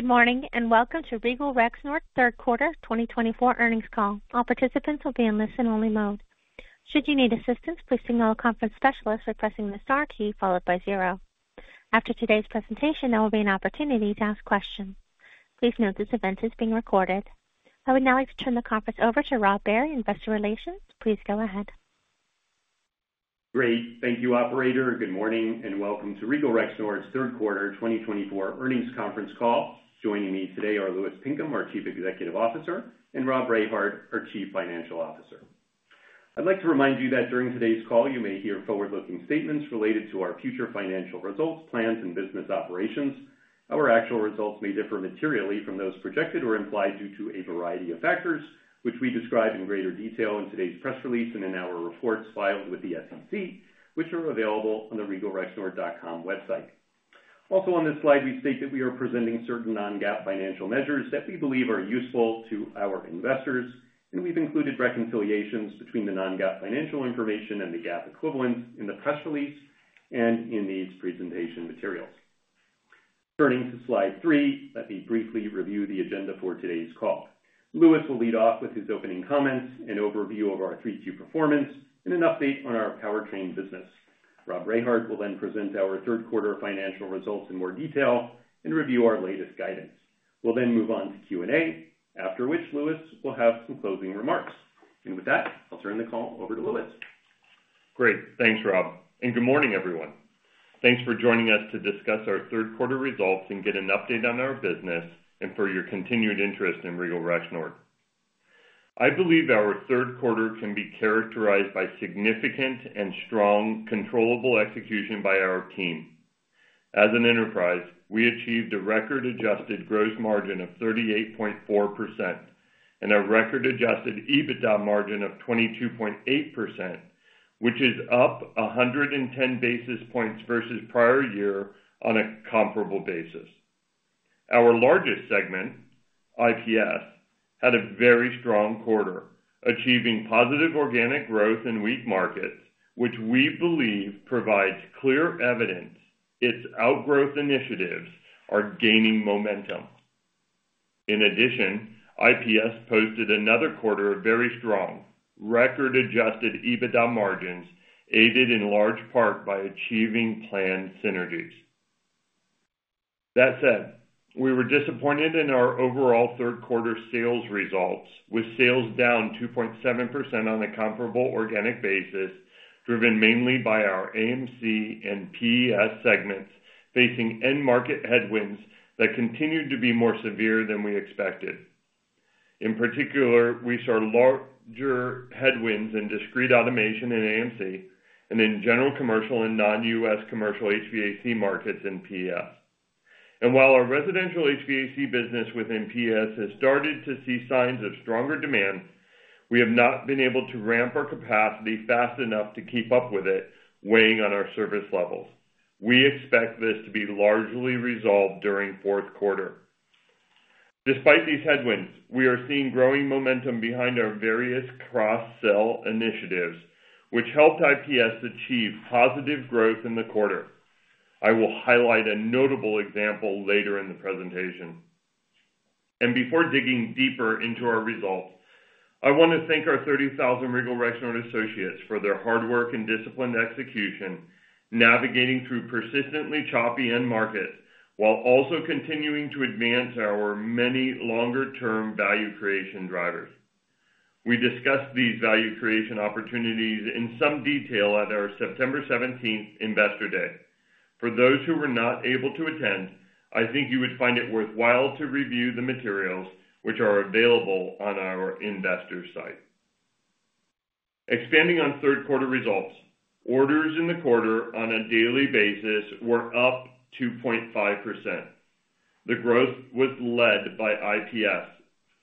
Good morning and welcome to Regal Rexnord's third quarter 2024 earnings call. All participants will be in listen-only mode. Should you need assistance, please signal a conference specialist by pressing the star key followed by zero. After today's presentation there will be an opportunity to ask questions. Please note this event is being recorded. I would now like to turn the conference over to Rob Barry, Investor Relations. Please go ahead. Great. Thank you, operator. Good morning and welcome to Regal Rexnord's third quarter 2024 earnings conference call. Joining me today are Louis Pinkham, our Chief Executive Officer, and Rob Rehard, our Chief Financial Officer. I'd like to remind you that during today's call you may hear forward-looking statements related to our future financial results, plans, and business operations. Our actual results may differ materially from those projected or implied due to a variety of factors, which we describe in greater detail in today's press release and in our reports filed with the SEC, which are available on the regalrexnord.com website. Also on this slide, we state that we are presenting certain non-GAAP financial measures that we believe are useful to our investors, and we've included reconciliations between the non-GAAP financial information and the GAAP equivalents in the press release and in these presentation materials. Turning to Slide 3, let me briefly review the agenda for today's call. Louis will lead off with his opening comments, an overview of our 3Q performance and an update on our powertrain business. Rob Rehard will then present our third quarter financial results in more detail and review our latest guidance. We'll then move on to Q&A, after which Louis will have some closing remarks and with that I'll turn the call over to Louis. Great. Thanks Rob and good morning everyone. Thanks for joining us to discuss our third quarter results and get an update on our business and for your continued interest in Regal Rexnord. I believe our third quarter can be characterized by significant and strong controllable execution by our team. As an enterprise, we achieved a record adjusted gross margin of 38.4% and a record adjusted EBITDA margin of 22.8%, which is up 110 basis points versus prior year. On a comparable basis, our largest segment IPS had a very strong quarter achieving positive organic growth in weak markets, which we believe provides clear evidence its outgrowth initiatives are gaining momentum. In addition, IPS posted another quarter of very strong record adjusted EBITDA margins, aided in large part by achieving planned synergies. That said, we were disappointed in our overall third quarter sales results with sales down 2.7% on a comparable organic basis, driven mainly by our AMC and PES segments facing end market headwinds that continued to be more severe than we expected. In particular, we saw larger headwinds in discrete automation in AMC and in general commercial and non-U.S. commercial HVAC markets in PES. And while our residential HVAC business within PES has started to see signs of stronger demand, we have not been able to ramp our capacity fast enough to keep up with it. Weighing on our service levels. We expect this to be largely resolved during fourth quarter. Despite these headwinds, we are seeing growing momentum behind our various cross-sell initiatives which helped IPS achieve positive growth in the quarter. I will highlight a notable example later in the presentation and before digging deeper into our results. I want to thank our 30,000 Regal Rexnord Associates for their hard work and disciplined execution navigating through persistently choppy end markets while also continuing to advance our many longer term value creation drivers. We discussed these value creation opportunities in some detail at our September 17th Investor Day. For those who were not able to attend, I think you would find it worthwhile to review the materials which are available on our investor site. Expanding on third quarter results. Orders in the quarter on a daily basis were up 2.5%. The growth was led by IPS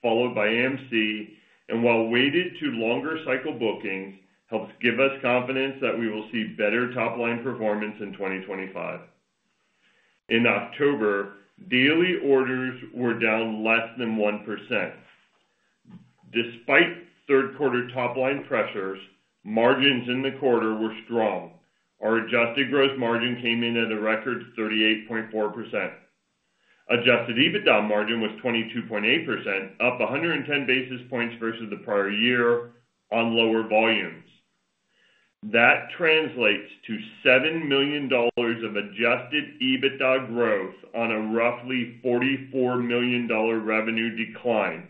followed by AMC and while weighted to longer cycle bookings helps give us confidence that we will see better top line performance in 2025. In October, daily orders were down less than 1%. Despite third quarter top line pressures, margins in the quarter were strong. Our adjusted gross margin came in at a record 38.4%. Adjusted EBITDA margin was 22.8%, up 110 basis points versus the prior year on lower volumes. That translates to $7 million of adjusted EBITDA growth on a roughly $44 million revenue decline.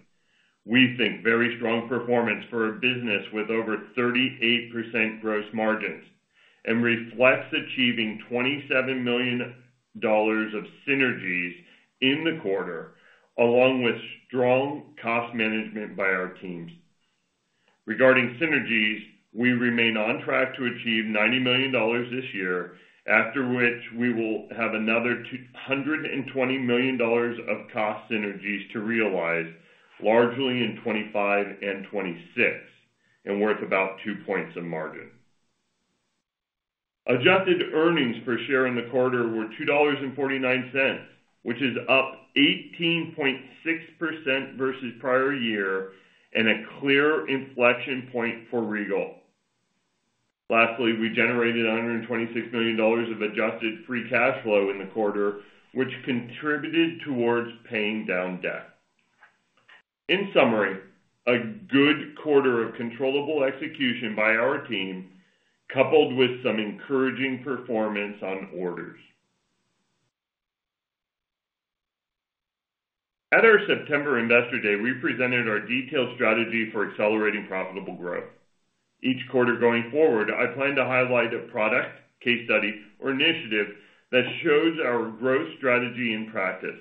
We think very strong performance for a business with over 38% gross margins and reflects achieving $27 million of synergies in the quarter along with strong cost management by our teams. Regarding synergies, we remain on track to achieve $90 million this year, after which we will have another $120 million of cost synergies to realize largely in 2025 and 2026 and worth about 2 points of margin. Adjusted earnings per share in the quarter were $2.49, which is up 18.6% versus prior year and a clear inflection point for Regal. Lastly, we generated $126 million of Adjusted Free Cash Flow in the quarter, which contributed towards paying down debt. In summary, a good quarter of controllable execution by our team coupled with some encouraging performance on order. At our September Investor Day, we presented our detailed strategy for accelerating profitable growth each quarter going forward. I plan to highlight a product case study or initiative that shows our growth strategy in practice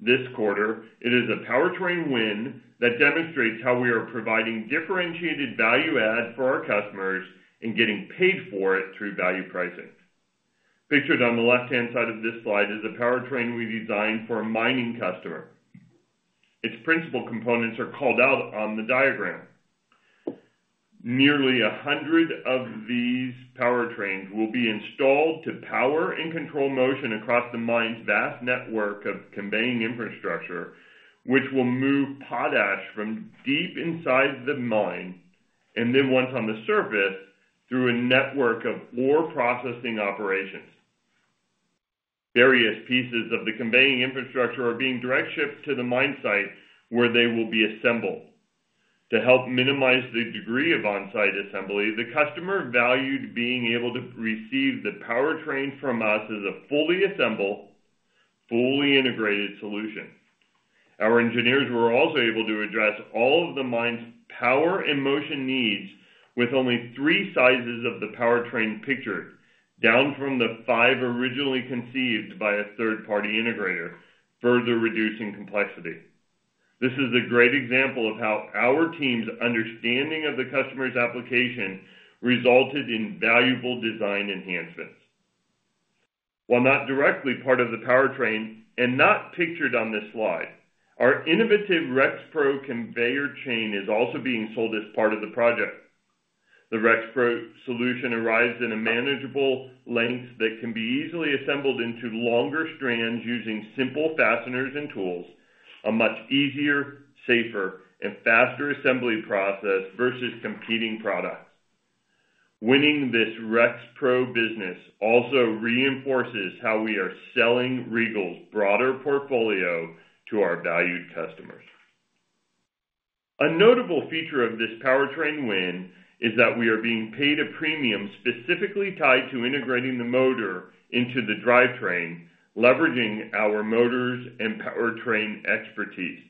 this quarter. It is a Powertrain win that demonstrates how we are providing differentiated value add for our customers and getting paid for it through value pricing. Pictured on the left hand side of this slide is a Powertrain we designed for a mining customer. Its principal components are called out on the diagram. Nearly 100 of these powertrains will be installed to power and control motion across the mine's vast network of conveying infrastructure which will move potash from deep inside the mine and then once on the surface through a network of ore processing operations. Various pieces of the conveying infrastructure are being direct shipped to the mine site where they will be assembled to help minimize the degree of on site assembly. The customer valued being able to receive the powertrain from us as a fully assembled, fully integrated solution. Our engineers were also able to address all of the mine's power and motion needs with only three sizes of the powertrain pictured down from the five originally conceived by a third party integrator, further reducing complexity. This is a great example of how our team's understanding of the customer's application resulted in valuable design enhancements. While not directly part of the powertrain and not pictured on this slide, our innovative RexPro conveyor chain is also being sold as part of the project. The RexPro solution arrives in a manageable length that can be easily assembled into longer strands using simple fasteners and tools. A much easier, safer and faster assembly process versus competing products. Winning this RexPro business also reinforces how we are selling Regal's broader portfolio to our valued customers. A notable feature of this powertrain win is that we are being paid a premium specifically tied to integrating the motor into the drivetrain, leveraging our motors and powertrain expertise.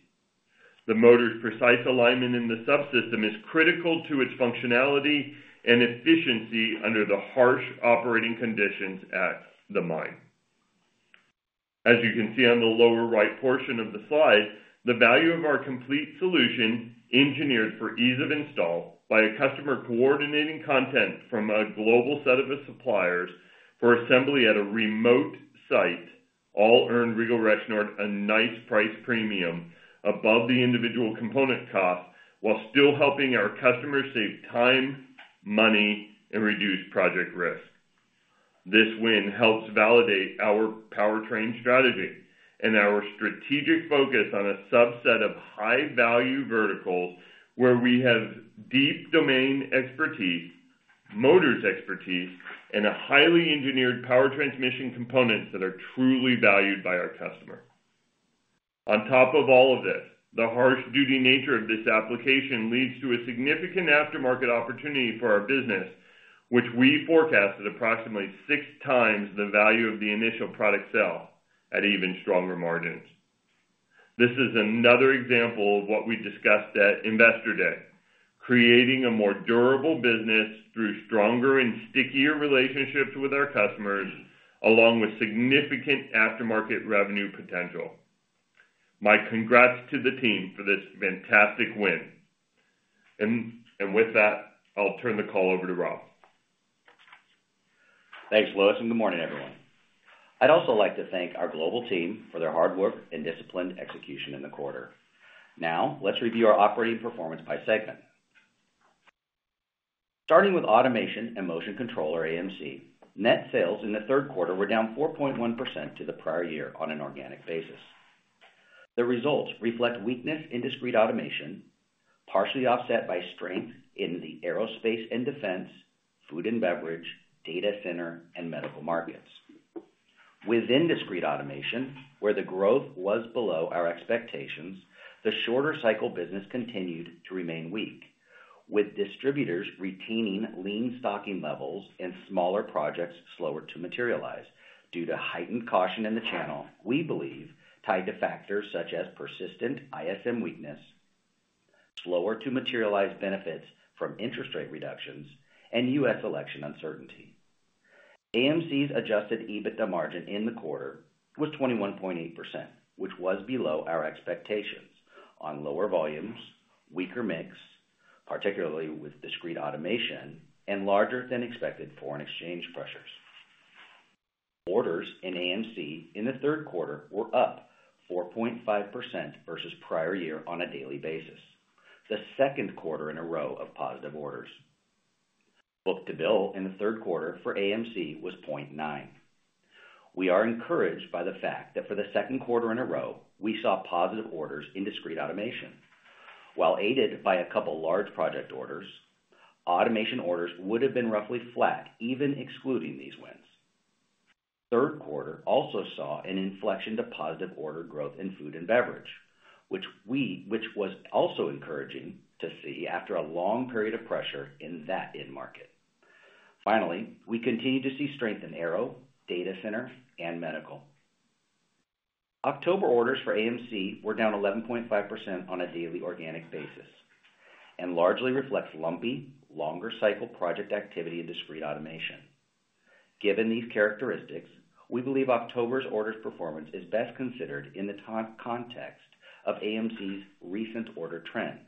The motor's precise alignment in the subsystem is critical to its functionality and efficiency under the harsh operating conditions at the mine. As you can see on the lower right portion of the slide, the value of our complete solution engineered for ease of install by a customer, coordinating content from a global set of suppliers for assembly at a remote site all earned Regal Rexnord a nice price premium above the individual component cost while still helping our customers save time, money and reduce project risk. This win helps validate our powertrain strategy and our strategic focus on a subset of high value verticals where we have deep domain expertise, motors expertise and a highly engineered power transmission components that are truly valued by our customer. On top of all of this, the harsh duty nature of this application leads to a significant aftermarket opportunity for our business, which we forecast at approximately six times the value of the initial product sale at even stronger margins. This is another example of what we discussed at Investor Day, creating a more durable business through stronger and stickier relationships with our customers along with significant aftermarket revenue potential. My congrats to the team for this fantastic win and with that I'll turn the call over to Rob. Thanks, Louis, and good morning, everyone. I'd also like to thank our global team for their hard work and disciplined execution in the quarter. Now let's review our operating performance by segment, starting with Automation and Motion Control, or AMC. Net sales in the third quarter were down 4.1% to the prior year on an organic basis. The results reflect weakness in Discrete Automation partially offset by strength in the aerospace and defense, food and beverage, data center, and medical markets. Within Discrete Automation, where the growth was below our expectations, the shorter cycle business continued to remain weak with distributors retaining lean stocking levels and smaller projects slower to materialize due to heightened caution in the channel. We believe tied to factors such as persistent ISM weakness, slower to materialize benefits from interest rate reductions, and U.S. election uncertainty. AMC's adjusted EBITDA margin in the quarter was 21.8%, which was below our expectations on lower volumes, weaker mix particularly with discrete automation and larger than expected foreign exchange pressures. Orders in AMC in the third quarter were up 4.5% versus prior year on a daily basis. The second quarter in a row of positive orders. Book-to-bill in the third quarter for AMC was 0.9. We are encouraged by the fact that for the second quarter in a row we saw positive orders in discrete automation while aided by a couple large project orders. Automation orders would have been roughly flat even excluding these wins. Third quarter also saw an inflection to positive order growth in food and beverage, which was also encouraging to see after a long period of pressure in that end market. Finally, we continue to see strength in aftermarket, data center, and medical. October orders for AMC were down 11.5% on a daily organic basis and largely reflects lumpy longer cycle project activity and discrete automation. Given these characteristics, we believe October's orders performance is best considered in the context of AMC's recent order trend.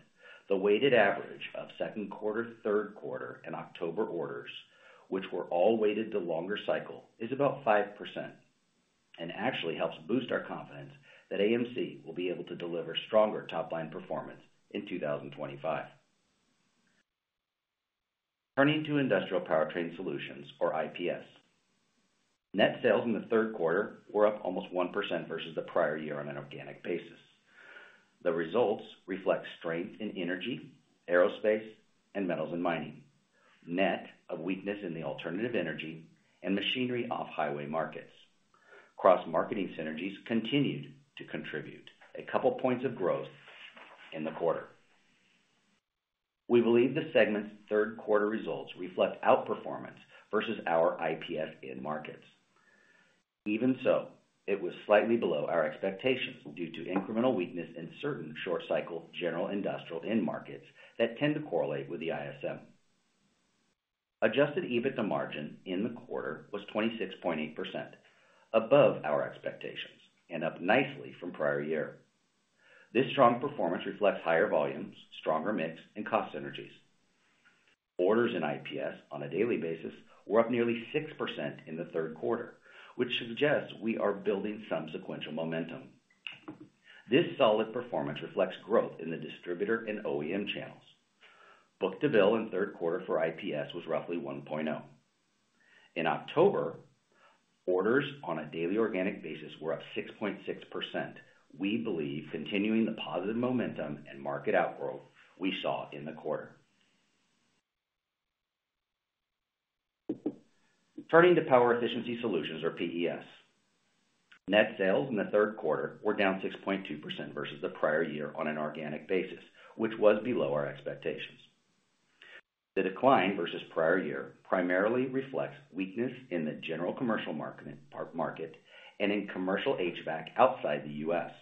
The weighted average of second quarter, third quarter, and October orders, which were all weighted the longer cycle, is about 5% and actually helps boost our confidence that AMC will be able to deliver stronger top line performance in 2025. Turning to industrial powertrain solutions or IPS, net sales in the third quarter were up almost 1% versus the prior year on an organic basis. The results reflect strength in energy, aerospace, and metals and mining net of weakness in the alternative energy and machinery off highway markets. Cross-marketing synergies continued to contribute a couple points of growth in the quarter. We believe the segment's third quarter results reflect outperformance versus our IPS end markets. Even so, it was slightly below our expectations due to incremental weakness in certain short cycle general industrial end markets that tend to correlate with the ISM. Adjusted EBITDA margin in the quarter was 26.8% above our expectations and up nicely from prior year. This strong performance reflects higher volumes, stronger mix and cost synergies. Orders in IPS on a daily basis were up nearly 6% in the third quarter, which suggests we are building some sequential momentum. This solid performance reflects growth in the distributor and OEM channels. Book-to-bill in third quarter for IPS was roughly 1.0 in October. Orders on a daily organic basis were up 6.6%, we believe continuing the positive momentum and market outgrowth we saw in the quarter. Turning to Power Efficiency Solutions or PES, net sales in the third quarter were down 6.2% versus the prior year on an organic basis, which was below our expectations. The decline versus prior year primarily reflects weakness in the general commercial market and in commercial HVAC outside the U.S.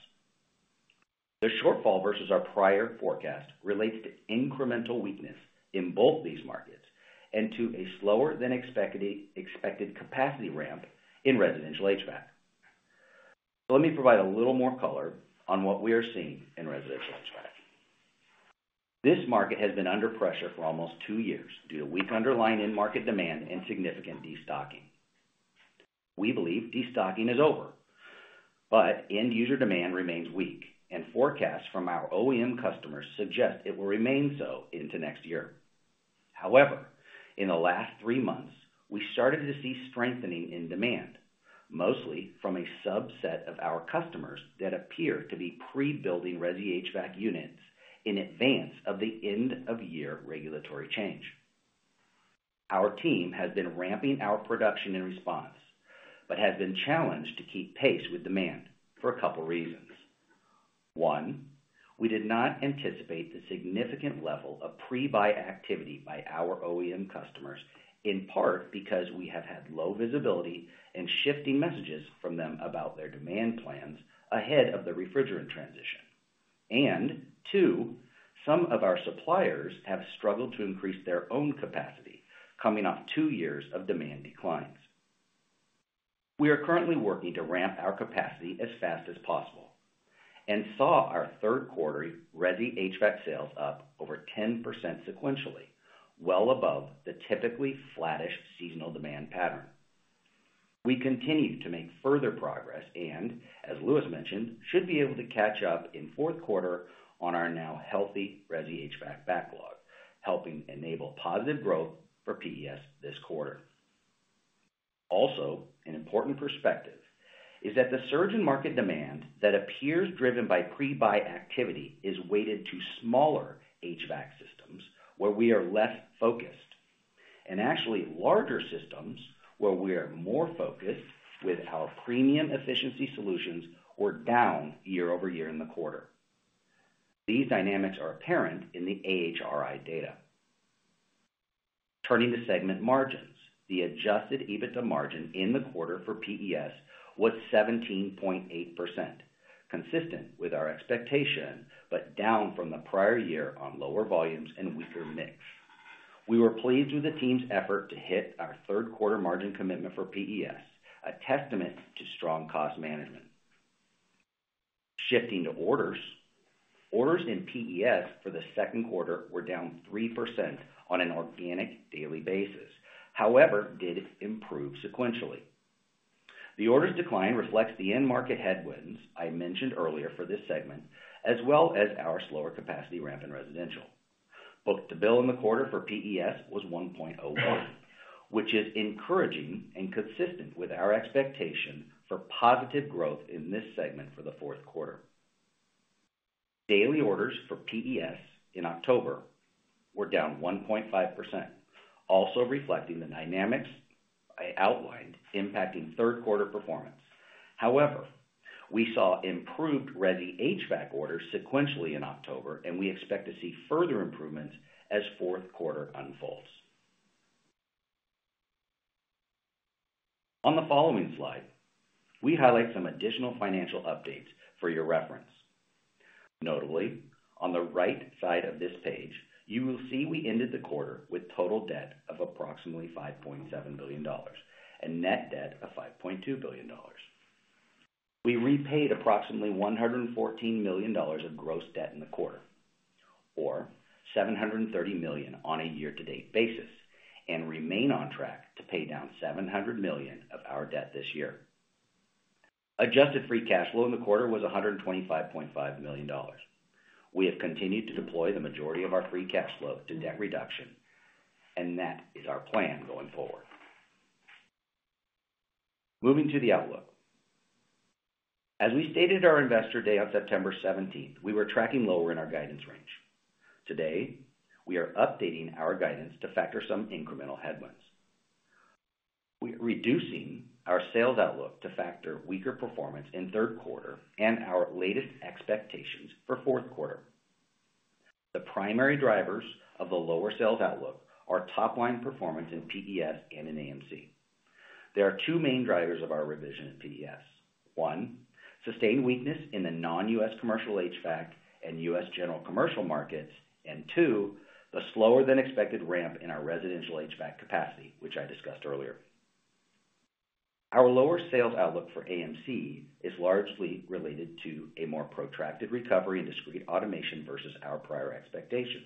The shortfall versus our prior forecast relates to incremental weakness in both these markets and to a slower than expected capacity ramp in residential HVAC. Let me provide a little more color on what we are seeing in residential HVAC. This market has been under pressure for almost two years due to weak underlying end market demand and significant destocking. We believe destocking is over but end user demand remains weak and forecasts from our OEM customers suggest it will remain so into next year. However, in the last three months we started to see strengthening in demand mostly from a subset of our customers that appear to be pre-building resi HVAC units in advance of the end-of-year regulatory change. Our team has been ramping our production in response but has been challenged to keep pace with demand for a couple reasons. One, we did not anticipate the significant level of pre-buy activity by our OEM customers in part because we have had low visibility and shifting messages from them about their demand plans ahead of the refrigerant transition and, two, some of our suppliers have struggled to increase their own capacity coming off two years of demand declines. We are currently working to ramp our capacity as fast as possible and saw our third quarter resi HVAC sales up over 10% sequentially, well above the typically flattish seasonal demand pattern. We continue to make further progress and as Louis mentioned, should be able to catch up in fourth quarter on our now healthy resi HVAC backlog, helping enable positive growth for PES this quarter. Also, an important perspective is that the surge in market demand that appears driven by pre buy activity is weighted to smaller HVAC systems where we are less focused and actually larger systems where we are more focused with our premium efficiency solutions were down year over year in the quarter. These dynamics are apparent in the AHRI data. Turning to segment margins, the Adjusted EBITDA margin in the quarter for PES was 17.8%, consistent with our expectation, but down from the prior year on lower volumes and weaker mix. We were pleased with the team's effort to hit our third quarter margin commitment for PES, a testament to strong cost management. Shifting to Orders in PES for the second quarter were down 3% on an organic daily basis, however, did improve sequentially. The orders decline reflects the end market headwinds I mentioned earlier for this segment as well as our slower capacity ramp in residential. Book-to-bill in the quarter for PES was 1.01, which is encouraging and consistent with our expectation for positive growth in this segment for the fourth quarter. Daily orders for PES in October were down 1.5%, also reflecting the dynamics I outlined impacting third quarter performance. However, we saw improved Resi HVAC orders sequentially in October and we expect to see further improvements as the fourth quarter unfolds. On the following slide we highlight some additional financial updates for your reference. Notably, on the right side of this page you will see we ended the quarter with total debt of approximately $5.7 billion and net debt of $5.2 billion. We repaid approximately $114 million of gross debt in the quarter or $730 million on a year to date basis and remain on track to pay down $700 million of our debt this year. Adjusted free cash flow in the quarter was $125.5 million. We have continued to deploy the majority of our free cash flow to debt reduction and that is our plan going forward. Moving to the Outlook, as we stated at our Investor Day on September 17, we were tracking lower in our guidance range. Today we are updating our guidance to factor some incremental headwinds. We are reducing our sales outlook to factor weaker performance in third quarter and our latest expectations for fourth quarter. The primary drivers of the lower sales outlook are top line performance in PES and in AMC. There are two main drivers of our revision in PES: one, sustained weakness in the non-U.S. commercial HVAC and U.S. general commercial markets; and two, the slower than expected ramp in our residential HVAC capacity, which I discussed earlier. Our lower sales outlook for AMC is largely related to a more protracted recovery and discrete automation versus our prior expectations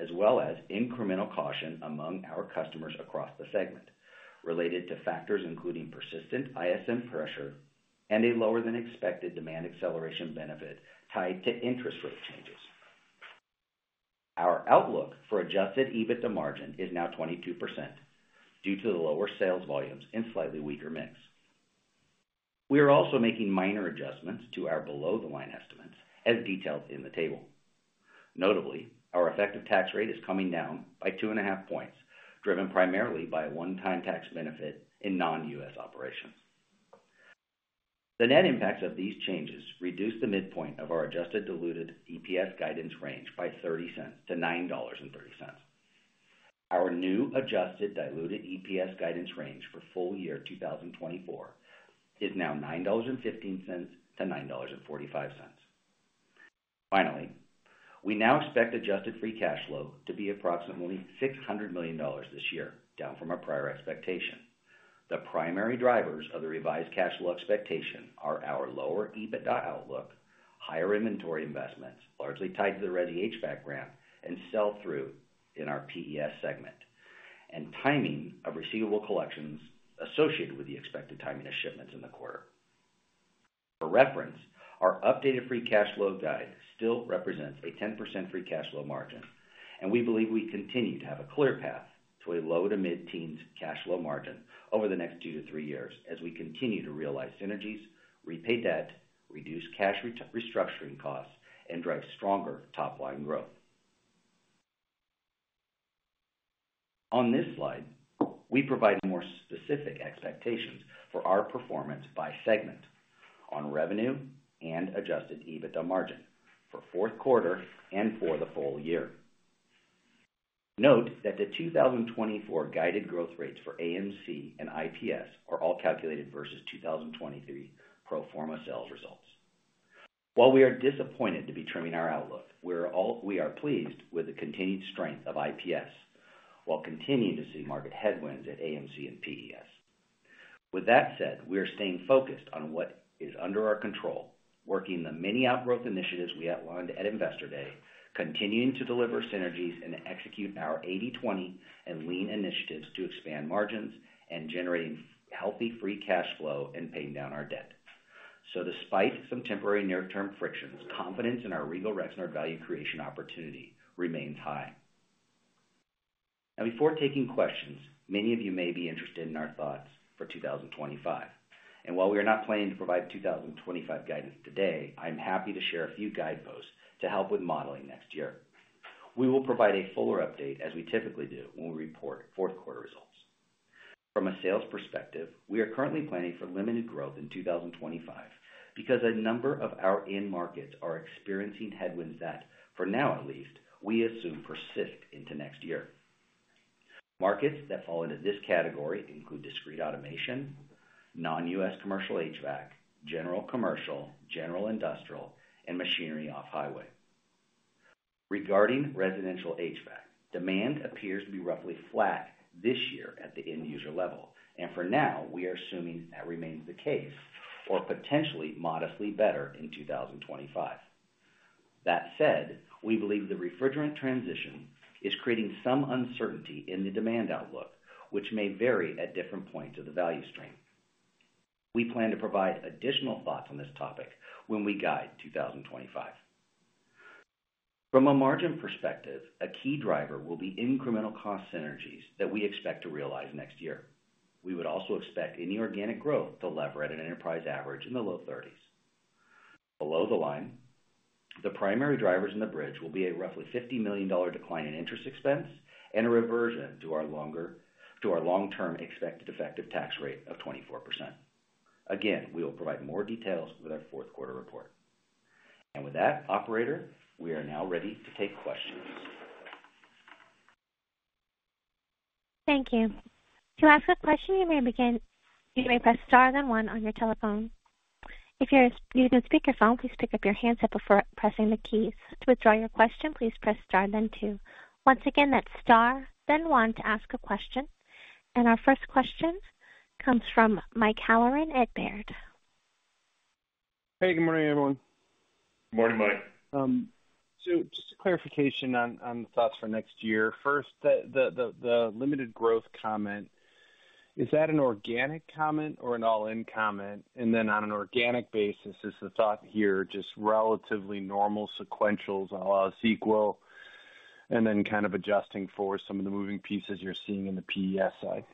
as well as incremental caution among our customers across the segment related to factors including persistent ISM pressure and a lower than expected demand acceleration benefit tied to interest rate changes. Our outlook for adjusted EBITDA margin is now 22% due to the lower sales volumes and slightly weaker mix. We are also making minor adjustments to our below the line estimates as detailed in the table. Notably, our effective tax rate is coming down by 2.5 points driven primarily by a one-time tax benefit and in non-U.S. operations, the net impacts of these changes reduced the midpoint of our adjusted diluted EPS guidance range by $0.30 to $9.30. Our new adjusted diluted EPS guidance range for full year 2024 is now $9.15-$9.45. Finally, we now expect adjusted free cash flow to be approximately $600 million this year down from our prior expectation. The primary drivers of the revised cash flow expectation are our lower EBITDA outlook, higher inventory investments largely tied to the resi HVAC grant and sell through in our PES segment, and timing of receivable collections associated with the expected timing of shipments in the quarter. For reference, our updated free cash flow guide still represents a 10% free cash flow margin and we believe we continue to have a clear path to a low to mid teens cash flow margin over the next two to three years as we continue to realize synergies, repay debt, reduce cash restructuring costs and drive stronger top line growth. On this slide we provide more specific expectations for our performance by segment on revenue and adjusted EBITDA margin for fourth quarter and for the full year. Note that the 2024 guided growth rates for AMC and IPS are all calculated vs 2023 pro forma sales results. While we are disappointed to be trimming our outlook, we are pleased with the continued strength of IPS while continuing to see market headwinds at AMC and PES. With that said, we are staying focused on what is under our control, working the many outgrowth initiatives we outlined at Investor Day, continuing to deliver synergies and execute our 80/20 and lean initiatives to expand margins and generating healthy free cash flow and paying down our debt. So despite some temporary near term frictions, confidence in our Regal Rexnord value creation opportunity remains high. Now, before taking questions, many of you may be interested in our thoughts 2025 and while we are not planning to provide 2025 guidance today, I am happy to share a few guideposts to help with modeling next year. We will provide a fuller update as we typically do when we report fourth quarter results from a sales perspective. We are currently planning for limited growth in 2025 because a number of our end markets are experiencing headwinds that for now at least, we assume persist into next year. Markets that fall into this category include discrete automation, non-U.S. commercial HVAC, general commercial, general industrial, and machinery off-highway. Regarding residential HVAC, demand appears to be roughly flat this year at the end user level and for now we are assuming that remains the case or potentially modestly better in 2025. That said, we believe the refrigerant transition is creating some uncertainty in the demand outlook which may vary at different points of the value stream. We plan to provide additional thoughts on this topic when we guide 2025 from a margin perspective. A key driver will be incremental cost synergies that we expect to realize next year. We would also expect any organic growth to lever at an enterprise average in the low 30s below the line. The primary drivers in the bridge will be a roughly $50 million decline in interest expense and a reversion to our long-term expected effective tax rate of 24%. Again, we will provide more details with our fourth quarter report and with that, operator, we are now ready to take questions. Thank you. To ask a question, you may begin, you may press star then one on your telephone. If you're using a speakerphone, please pick up your handset before pressing the keys. To withdraw your question, please press star then two. Once again, that's star then one to ask a question and our first question comes from Mike Halloran with Baird. Hey, good morning everyone. Good morning Mike. So just a clarification on thoughts for next year. First, the limited growth comment. Is that an organic comment or an all in comment? And then on an organic basis is the thought here just relatively normal sequentials, all sequential and then kind of adjusting for some of the moving pieces you're seeing in the PES side?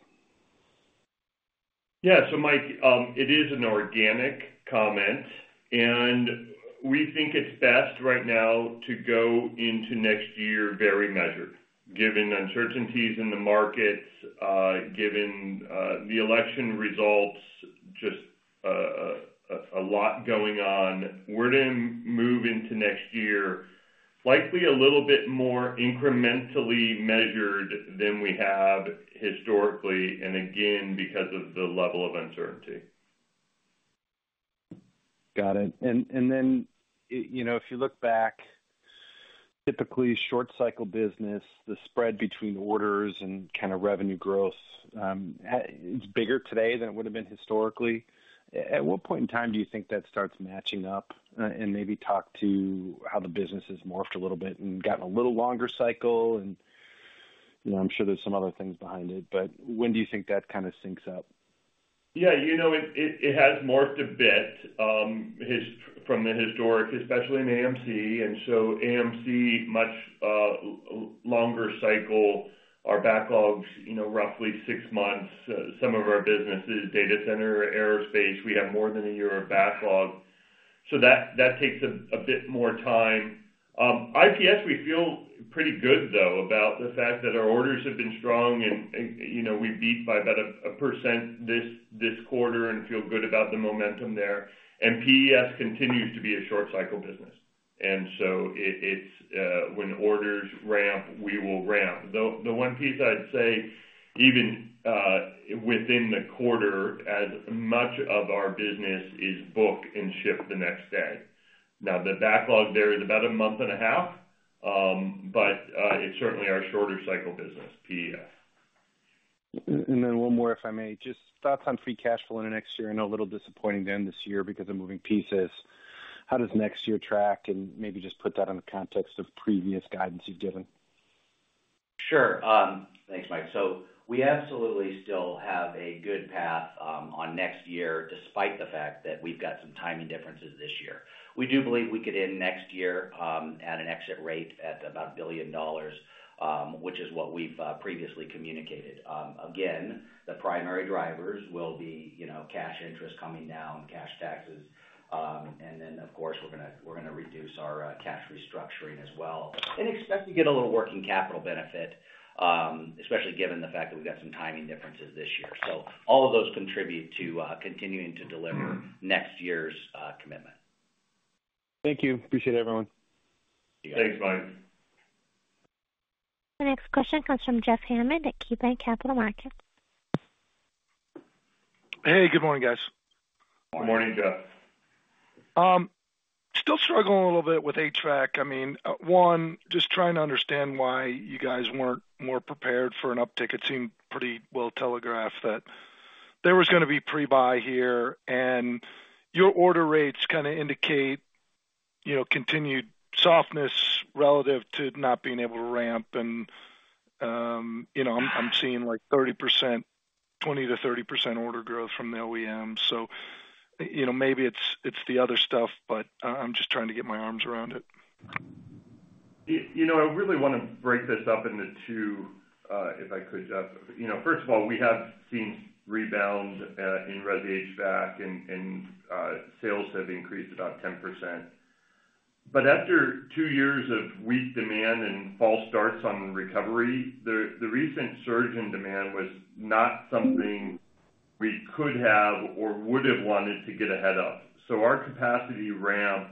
Yeah. So Mike, it is an organic comment and we think it's best right now to go into next year very measured given uncertainties in the markets, given the election results, just a lot going on. We're going to move into next year likely a little bit more incrementally measured than we have historically and again because of the level of uncertainty. Got it. And then, if you look back, typically short cycle business, the spread between orders and kind of revenue growth, it's bigger today than it would have been historically. At what point in time do you think that starts matching up? And maybe talk to how the business has morphed a little bit and gotten a little longer cycle. And I'm sure there's some other things behind it, but when do you think that kind of syncs up? Yeah, it has morphed a bit from the historic, especially in AMC. And so AMC much longer cycle. Our backlog roughly six months. Some of our businesses, data center, aerospace, we have more than a year of backlog, so that takes a bit more time. IPS. We feel pretty good though about the fact that our orders have been strong and we beat by about 1% this quarter and feel good about the momentum there. And PES continues to be a short cycle business. And so it's when orders ramp, we will ramp the one piece, I'd say even within the quarter as much of our business is booked and shipped the next day. Now, the backlog there is about a month and a half, but it's certainly our shorter cycle business. PES. And then one more, if I may, just thoughts on free cash flow into next year. I know a little disappointing then this year because of moving pieces. How does next year track? And maybe just put that in the context of previous guidance you've given. Sure. Thanks, Mike. So we absolutely still have a good path on next year. Despite the fact that we've got some timing differences this year. We do believe we could end next year at an exit rate at about $1 billion, which is what we've previously communicated. Again, the primary drivers will be, you know, cash interest coming down, cash taxes. And then of course, we're going to reduce our cash restructuring as well and expect to get a little working capital benefit, especially given the fact that we've got some timing differences this year. So all of those contribute to continuing to deliver next year's commitment. Thank you. Appreciate everyone. Thanks, Mike. The next question comes from Jeff Hammond at KeyBanc Capital Markets. Hey, good morning, guys. Good morning, Jeff. Still struggling a little bit with HVAC? I mean, I'm just trying to understand why you guys weren't more prepared for an uptick. It seemed pretty well telegraphed that there was going to be pre-buy here. And your order rates kind of indicate, you know, continued softness relative to not being able to ramp. And you know, I'm seeing like 30%, 20%-30% order growth from the OEM. So, you know, maybe it's, it's the other stuff, but I'm just trying to get my arms around it. You know, I really want to break this up into two if I could, Jeff. You know, first of all, we have seen rebound in Resi HVAC and sales have increased about 10%. But after two years of weak demand and false starts on recovery, the recent surge in demand was not something we could have or would have wanted to get ahead of. So our capacity ramp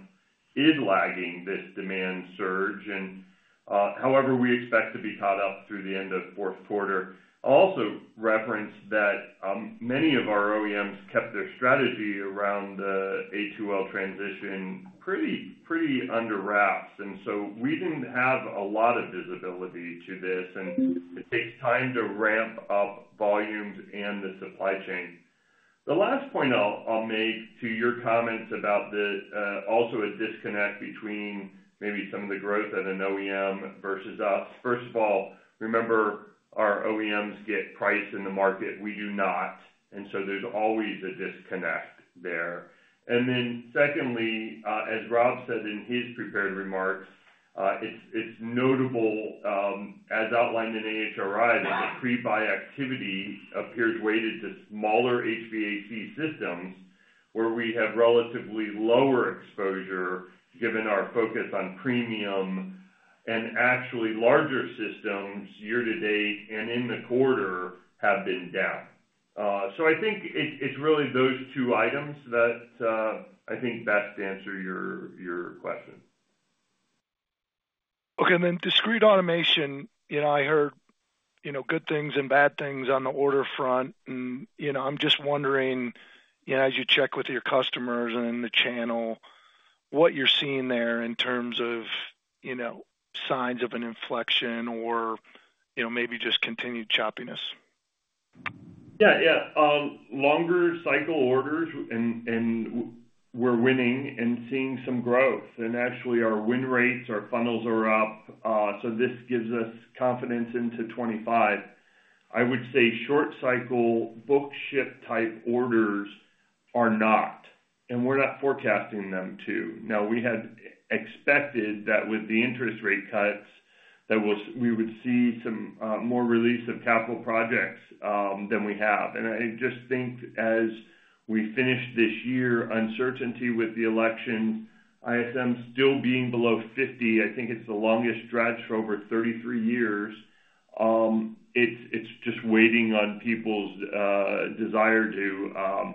is lagging. This demand surge and however we expect to be caught up through the end of fourth quarter, also referenced that many of our OEMs kept their strategy around the A2L transition pretty, pretty under wraps. And so we didn't have a lot of visibility to this. And it takes time to ramp up volumes and the supply chain. The last point I'll make to your comments about the also a disconnect between maybe some of the growth at an OEM versus us. First of all, remember, our OEMs get price in the market. We do not. And so there's always a disconnect there. And then secondly, as Rob said in his prepared remarks, it's notable as outlined in AHRI that the pre-buy activity appears weighted to smaller HVAC systems where we have relatively lower exposure given our focus on premium and actually larger systems year to date and in the quarter have been down. So I think it's really those two items that I think best answer your question. Okay. Discrete Automation, you know, I heard, you know, good things and bad things on the order front. And you know, I'm just wondering, you know, as you check with your customers and the channel, what you're seeing there in terms of, you know, signs of an inflection or, you know, maybe just continued choppiness? Yeah, yeah. Longer cycle orders and we're winning and seeing some growth. And actually our win rates, our funnels are up. So this gives us confidence into 2025. I would say short cycle book-to-bill type orders are not and we're not forecasting them to now. We had expected that with the interest rate cuts that we would see some more release of capital projects than we have. And I just think as we finish this year, uncertainty with the election, ISM still being below 50, I think it's the longest stretch for over 33 years. It's just waiting on people's desire to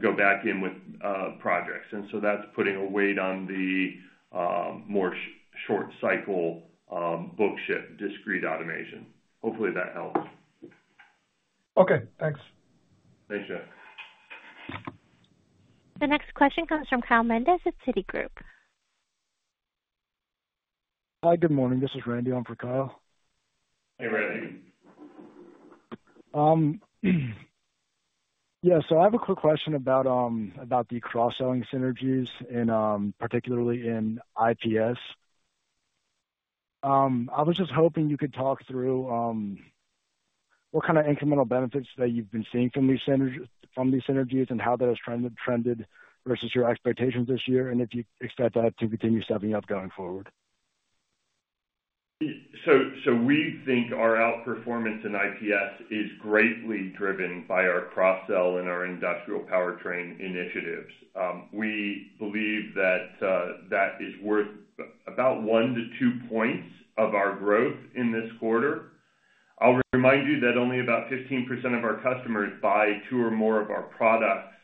go back in with projects. And so that's putting a weight on the more short cycle book-to-bill discrete automation. Hopefully that helps. Okay, thanks. Thanks, Jeff. The next question comes from Kyle Menges at Citigroup. Hi, good morning. This is Randy. I'm for Kyle. Hey Randy. Yeah, so I have a quick question about the cross selling synergies, particularly in IPS. I was just hoping you could talk through what kind of incremental benefits that you've been seeing from these synergies and how that has trended versus your expectations this year and if you expect that to continue stepping up going forward. So we think our outperformance in IPS is greatly driven by our cross sell and our industrial powertrain initiative. We believe that that is worth about 1-2 points of our growth in this quarter. I'll remind you that only about 15% of our customers buy two or more of our products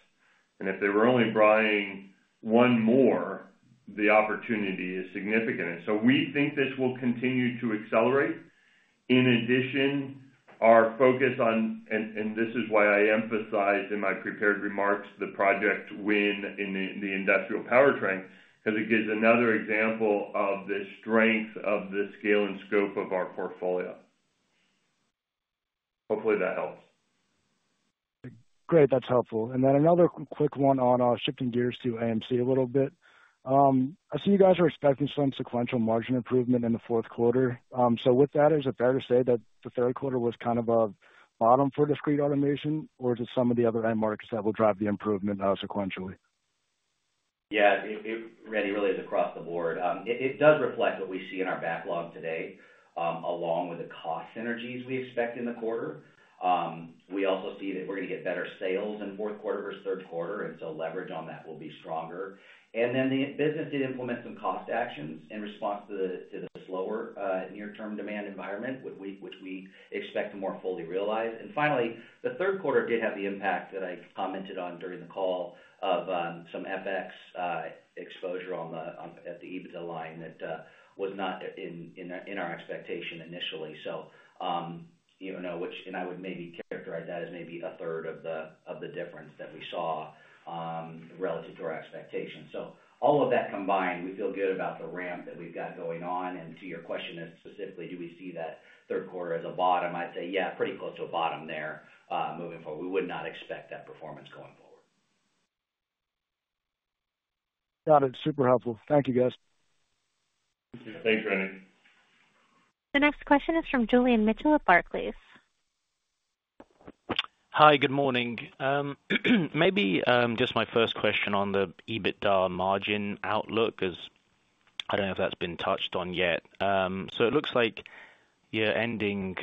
and if they were only buying one more, the opportunity is significant. So we think this will continue to accelerate. In addition, our focus on, and this is why I emphasized in my prepared remarks the project wins in the industrial powertrain because it gives another example of the strength of the scale and scope of our portfolio. Hopefully that helps. Great, that's helpful. And then another quick one on shifting gears to AMC a little bit. I see you guys are expecting some sequential margin improvement in the fourth quarter. So with that, is it fair to say that the third quarter was kind of a bottom for discrete automation or is it some of the other end markets that will drive the improvement sequentially? Yes, Randy, really is across the board. It does reflect what we see in our backlog today. Along with the cost synergies we expect in the quarter, we also see that we're going to get better sales in fourth quarter versus third quarter, and so leverage on that will be stronger. Then the business did implement some cost actions in response to the slower near-term demand environment, which we expect to more fully realize. And finally, the third quarter did have the impact that I commented on during the call of some FX exposure at the EBITDA line that was not in our expectation initially. So, you know, which. And I would maybe characterize that as maybe a third of the difference that we saw relative to our expectations. So all of that combined, we feel good about the ramp that we've got going on. And to your question as specifically, do we see that third quarter as a bottom? I'd say yeah, pretty close to a bottom there. Moving forward, we would not expect that performance going forward. Got it. Super helpful. Thank you guys. Thanks, Randy. The next question is from Julian Mitchell at Barclays. Hi, good morning. Maybe just my first question on the EBITDA margin outlook as I don't know if that's been touched on yet. So it looks like you're ending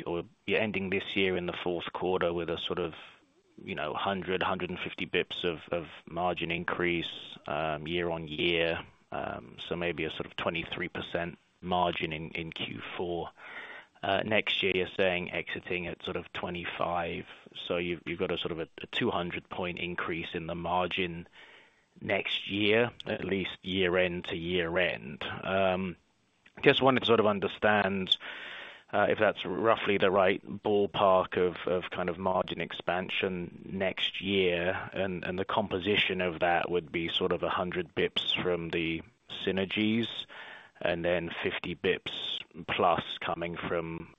this year in the fourth quarter with a sort of 100, 150 basis points of margin increase year on year. So maybe a sort of 23% margin in Q4 next year you're saying exiting at sort of 25%. So you've got a sort of a 200 point increase in the margin next year at least year end to year end. Just wanted to sort of understand if that's roughly the right ballpark of kind of margin expansion next year and the composition of that would be sort of 100 basis points from the synergies and then 50 basis points plus coming from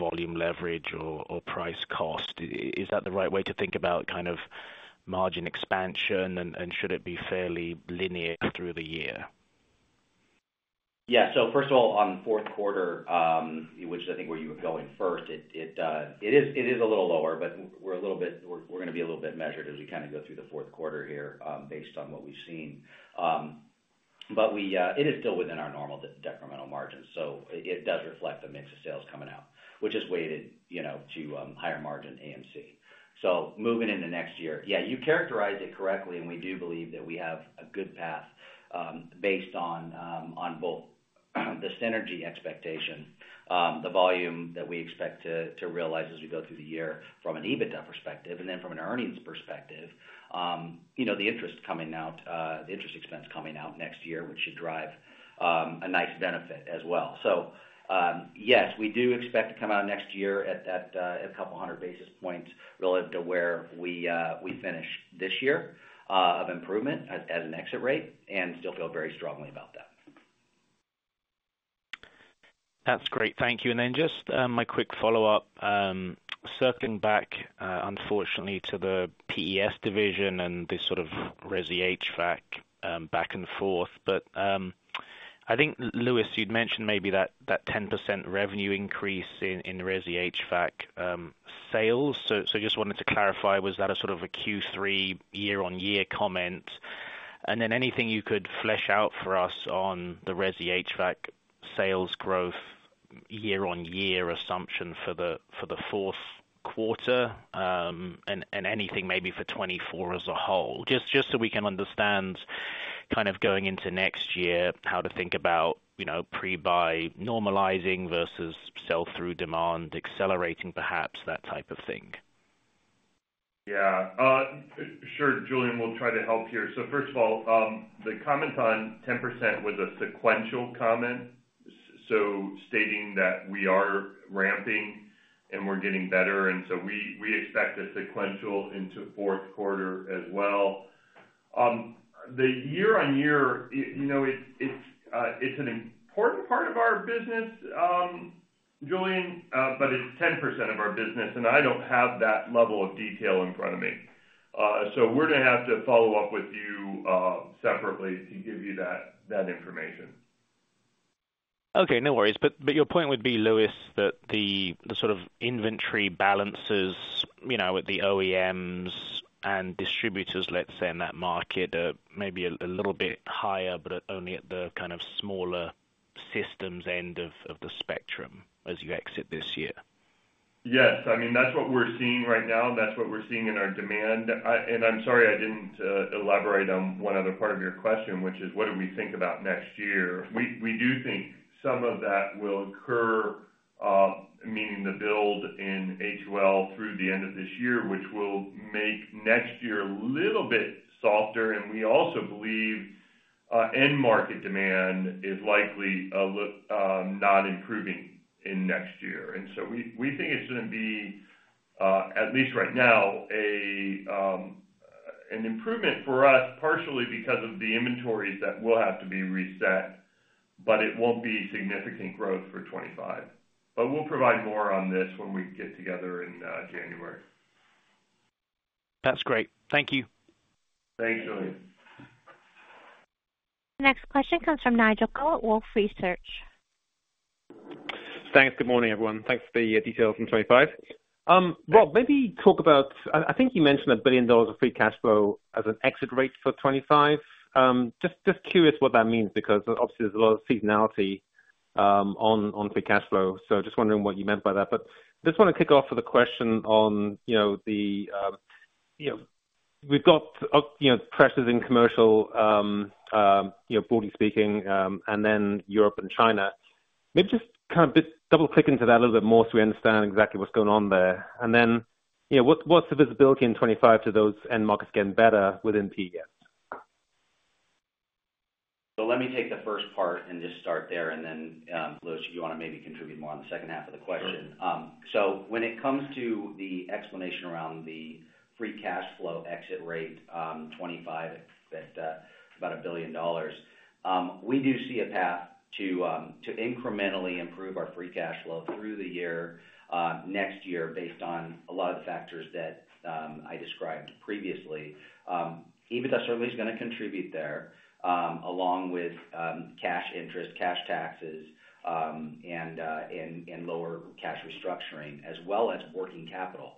volume leverage or price cost. Is that the right way to think about kind of margin expansion and should it be fairly linear through the year? Yes. So first of all, on fourth quarter, which I think where you were going first, it is a little lower, but we're going to be a little bit measured as we kind of go through the fourth quarter here based on what we've seen. But it is still within our normal decremental margins. So it does reflect the mix of sales coming out which has weighted, you know, to higher margin AMC. So moving into next year. Yeah, you characterized it correctly, and we do believe that we have a good path based on both the synergy expectation, the volume that we expect to realize as we go through the year from an EBITDA perspective and then from an earnings perspective, you know, the interest coming out, the interest expense coming out next year, which should drive a nice benefit as well. So yes, we do expect to come out next year at a couple hundred basis points relative to where we finish this year of improvement at an exit rate, and still feel very strongly about that. That's great. Thank you. And then just my quick follow up, circling back, unfortunately to the PES division and this sort of resi HVAC back and forth. But I think Lewis, you'd mentioned maybe that 10% revenue increase in resi HVAC sales. So just wanted to clarify, was that a sort of a Q3 year on year comment and then anything you could flesh out for us on the resi HVAC sales growth year on year assumption for the fourth quarter and anything maybe for 2024 as a whole. Just so we can understand kind of going into next year, how to think about pre buy normalizing versus sell through demand accelerating perhaps that type of thing. Yeah, sure, Julian, we'll try to help here. So first of all, the comment on 10% was a sequential comment, so stating that we are ramping and we're getting better. And so we expect a sequential into fourth quarter as well the year on year. You know, it's an important part of our business, Julian, but it's 10% of our business and I don't have that level of detail in front of me. So we're going to have to follow up with you separately to give you that information. Okay, no worries. But your point would be Lewis, that the sort of inventory balances at the OEMs and distributors, let's say in that market maybe a little bit higher, but only at the kind of smaller systems end of the spectrum as you exit this year. Yes, I mean that's what we're seeing right now and that's what we're seeing in our demand. And I'm sorry, I didn't elaborate on one other part of your question, which is what do we think about next year? We do think some of that will occur, meaning the build in hold through the end of this year, which will mean make next year a little bit softer. And we also believe end market demand is likely not improving in next year. And so we think it's going to be at least right now an improvement for us partially because of the inventories that will have to be reset. But it won't be significant growth for 2025. But we'll provide more on this when we get together in January. That's great. Thank you. Thanks, Julian. Next question comes from Nigel Coe at Wolfe Research. Thanks. Good morning everyone. Thanks for the details on 25. Rob, maybe talk about I think you mentioned a billion dollars of free cash flow as an exit rate for 25. Just curious what that means because obviously there's a lot of seasonality on free cash flow. So just wondering what you meant by that. But just want to kick off with a question on the we've got pressures in commercial, broadly speaking, and then Europe and China maybe just kind of double click into that a little bit more so we understand exactly what's going on there. And then what's the visibility in 25 to those end markets getting better within PEs? Well, let me take the first part and just start there and then Lewis, if you want to maybe contribute more on the second half of the question. So when it comes to the EPS explanation around the free cash flow exit rate 2025 at about $1 billion, we do see a path to incrementally improve our free cash flow through the year next year based on a lot of factors that I described previously. EBITDA certainly is going to contribute there along with cash interest, cash taxes, and lower cash restructuring as well as working capital.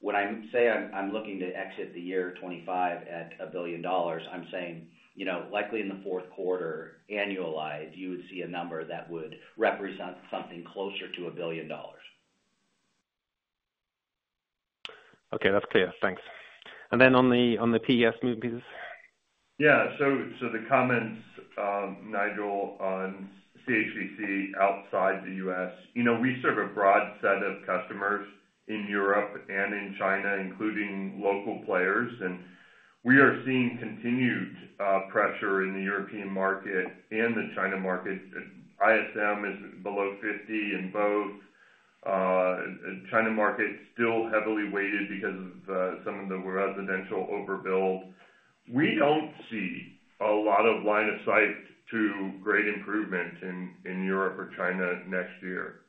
When I say I'm looking to exit the year 2025 at $1 billion, I'm saying, you know, likely in the fourth quarter annualized, you would see a number that would represent something closer to $1 billion. Okay, that's clear. Thanks. And then on the PES moving pieces. Yeah. So the comments, Nigel, on CHPC outside the U.S. you know we serve a broad set of customers in Europe and in China including local players and we are seeing continued pressure in the European market and the China market. ISM is below 50 in both. China market still heavily weighted because of some of the residential overbuild. We don't see a lot of line of sight to great improvement in Europe or China next year.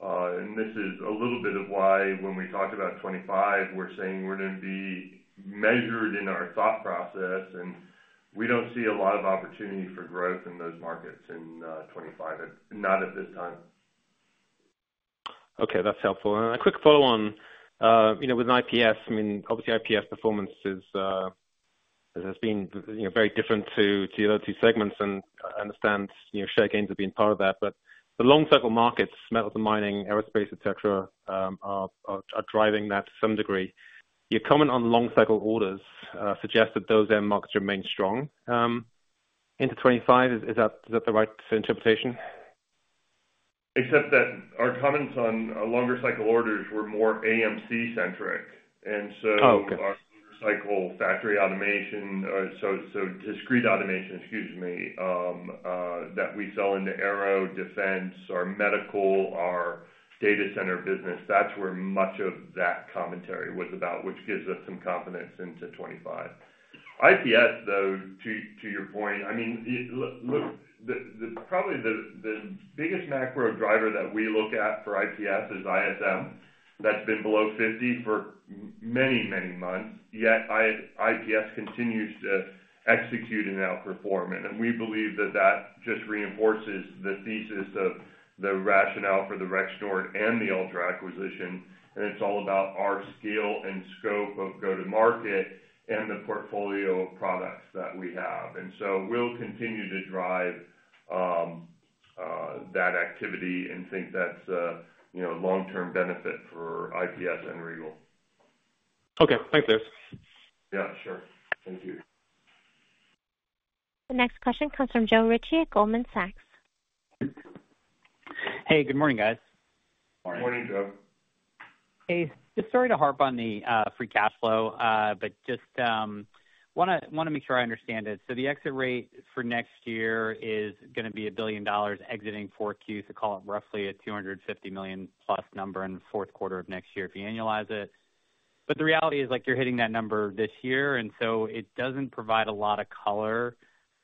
And this is a little bit of why when we talked about 2025 we're saying we're going to be measured in our thought process and we don't see a lot of opportunity for growth in those markets in 2025, not at this time. Okay, that's helpful. And a quick follow on with IPS. I mean obviously IPS performance is, has been very different to the other two segments and I understand share gains have been part of that. But the long cycle markets, metals and mining, aerospace, et cetera are driving that to some degree. Your comment on long cycle orders suggests that those end markets remain strong into 2025. Is that the right interpretation? Except that our comments on longer cycle orders were more AMC centric. And so our motorcycle factory automation, so discrete automation, excuse me, that we sell into Aero Defense, our medical, our data center business. That's where much of that commentary was about. Which gives us some confidence into 25 IPS though to your point. I mean look, probably the biggest macro driver that we look at for IPS is ISM that's been below 50 for many, many months. Yet IPS continues to execute and outperform and we believe that that just reinforces the thesis of the rationale for the Rexnord and the Altra acquisition. And it's all about our scale and scope of go-to-market and the portfolio of products that we have. And so we'll continue to drive that activity and think that's, you know, long-term benefit for IPS and Regal. Okay, thanks. Yeah, sure. Thank you. The next question comes from Joe Ritchie at Goldman Sachs. Hey, good morning, guys. Morning, Joe. Hey, just sorry to harp on the free cash flow, but just want to make sure I understand it. So the exit rate for next year is going to be $1 billion exiting 4Q. So call it roughly a $250 million plus number in the fourth quarter of next year if you annualize it. But the reality is like you're hitting that number this year and so it doesn't provide a lot of color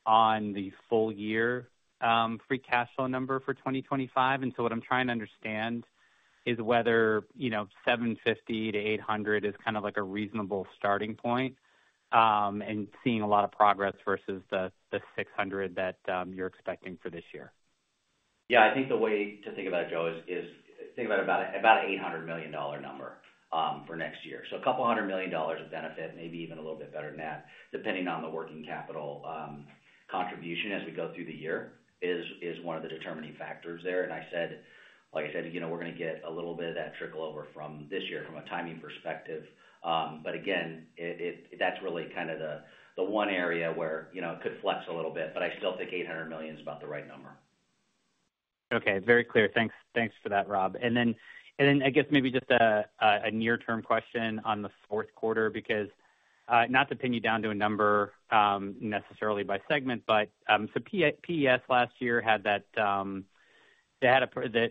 on the full year free cash flow number for 2025, and so what I'm trying to understand is whether, you know, $750-$800 million is kind of like a reasonable starting point and seeing a lot of progress versus the $600 million that you're expecting for this year. Yeah, I think the way to think about it, Joe, is thinking about an $800 million number for next year. So a couple hundred million dollars of benefit, maybe even a little bit better than that, depending on the working capital contribution as we go through the year, is one of the determining factors there. And I said, like I said, we're going to get a little bit of that trickle over from this year from a timing perspective. But again, that's really kind of the one area where it could flex a little bit. But I still think $800 million is about the right number. Okay, very clear. Thanks for that, Rob. And then I guess maybe just a near term question on the fourth quarter because not to pin you down to a number necessarily by segment, but PES last year had that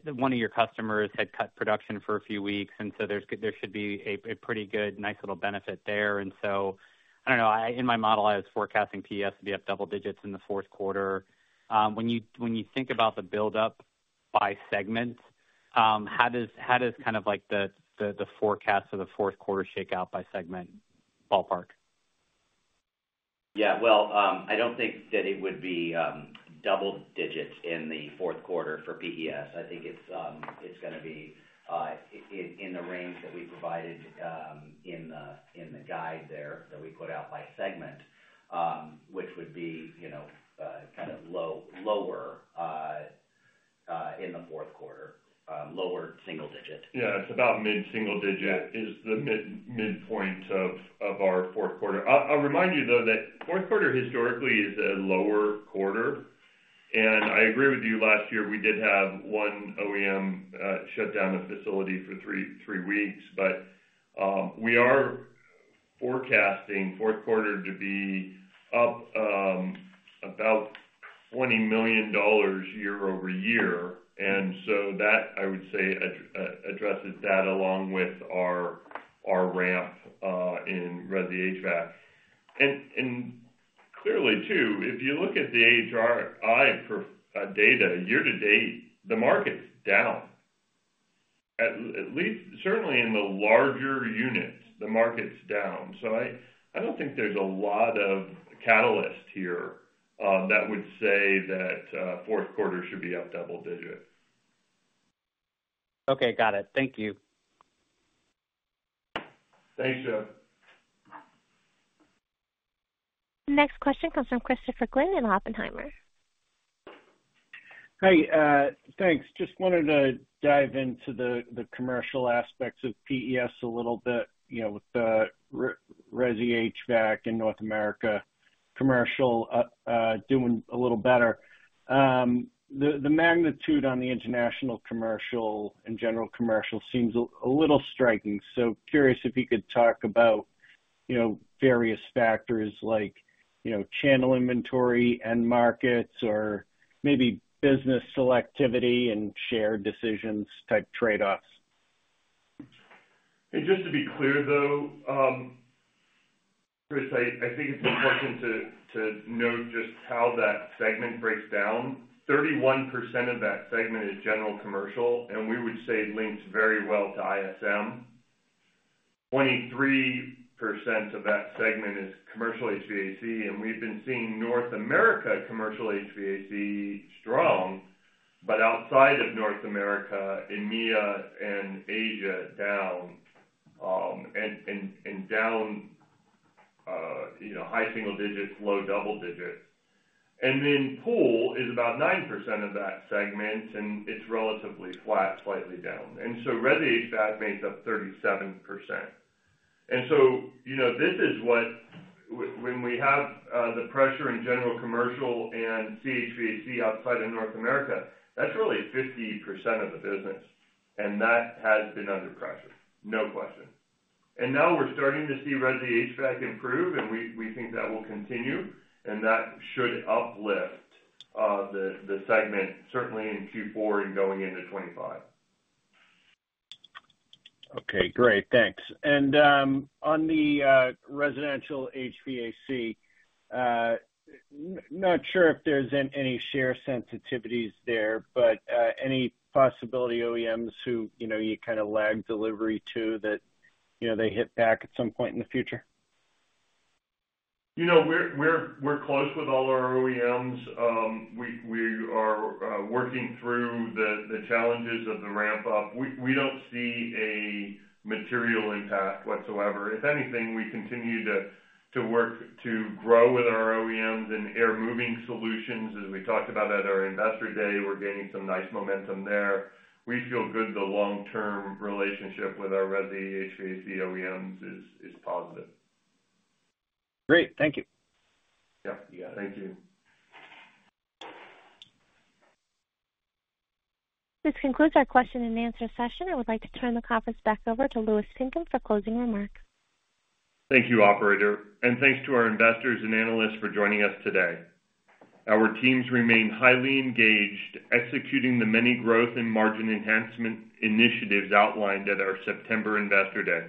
one of your customers had cut production for a few weeks. And so there should be a pretty good, nice little benefit there. I don't know. In my model, I was forecasting PEs to be up double digits in the fourth quarter. When you think about the buildup by segment, how does kind of like the forecast of the fourth quarter shake out by segment ballpark? Yeah, well, I don't think that it would be double digits in the fourth quarter for PES. I think it's going to be in the range that we provided in the guide there that we put out by segment, which would be, you know, kind of low. Lower in the fourth quarter. Lower single digit? Yeah, it's about mid single digit is the midpoint of our fourth quarter. I'll remind you though that fourth quarter historically is a lower quarter. And I agree with you. Last year we did have one OEM shut down the facility for three weeks. But we are forecasting fourth quarter to be up about $20 million year over year. And so that I would say addresses that along with our ramp in Residential HVAC. And clearly too, if you look at the AHRI data year to date, the market's down at least. Certainly in the larger units, the market's down. So I don't think there's a lot of catalyst here that would say that fourth quarter should be up double digit. Okay, got it. Thank you. Thanks, Jeff. Next question comes from Christopher Glynn in Oppenheimer. Hi, thanks. Just wanted to dive into the commercial aspects of PES a little bit. You know, with the resi HVAC in North America commercial doing a little better, the magnitude on the international commercial and general commercial seems a little striking. So curious if you could talk about, you know, various factors like channel inventory, end markets or maybe business selectivity and shared decisions type trade offs. Just to be clear though, Chris, I think it's important to note just how that segment breaks down. 31% of that segment is general commercial and we would say links very well to ISM. 23% of that segment is commercial HVAC and we've been seeing North America commercial HVAC strong, but outside of North America, EMEA and Asia down. And. Down, high single digits, low double digits, and then pool is about 9% of that segment and it's relatively flat, slightly down. And so Residential HVAC makes up 37%. And so, you know, this is what when we have the pressure in general commercial and Commercial HVAC outside of North America, that's really 50% of the business. And that has been under pressure, no question. And now we're starting to see Residential HVAC improve and we think that will continue and that should uplift the segment certainly in Q4 and going into 2025. Okay, great, thanks, and on the residential HVAC. Not. Sure, if there's any share sensitivities there, but any possibility OEMs who you kind of lag delivery to that they hit back at some point in the future? You know, we're close with all our OEMs. We are working through the challenges of the ramp up. We don't see a material impact whatsoever. If anything, we continue to work to grow with our OEMs and air moving solutions. As we talked about at our investor day, we're gaining some nice momentum there. We feel good. The long-term relationship with our resi HVAC OEMs is positive. Great. Thank you. Thank you. This concludes our question and answer session. I would like to turn the conference back over to Louis Pinkham for closing remarks. Thank you, operator, and thanks to our investors and analysts for joining us today. Our teams remain highly engaged executing the many growth and margin enhancement initiatives outlined at our September Investor Day,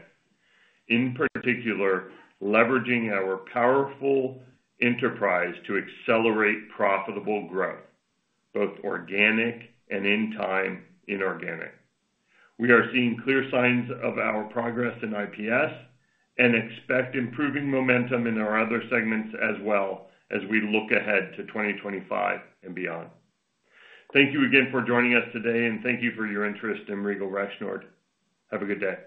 in particular, leveraging our powerful enterprise to accelerate profitable growth, both organic and, in time, inorganic. We are seeing clear signs of our progress in IPS and expect improving momentum in our other segments as well, as we look ahead to 2025 and beyond. Thank you again for joining us today, and thank you for your interest in Regal Rexnord. Have a good day.